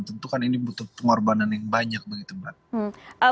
tentu kan ini butuh pengorbanan yang banyak begitu mbak